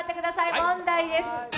問題です。